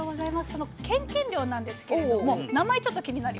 そのケンケン漁なんですけれども名前ちょっと気になりますよね。